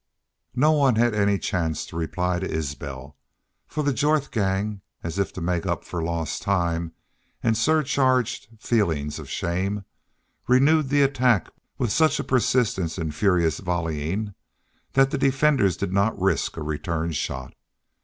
No one had any chance to reply to Isbel, for the Jorth gang, as if to make up for lost time and surcharged feelings of shame, renewed the attack with such a persistent and furious volleying that the defenders did not risk a return shot.